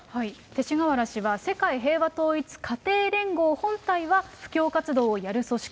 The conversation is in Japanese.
勅使河原氏は、世界平和統一家庭連合本体は、布教活動をやる組織。